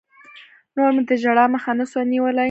نور مې د ژړا مخه نه سوه نيولى.